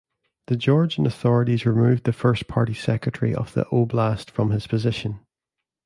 The Georgian authorities removed the First Party Secretary of the oblast from his position.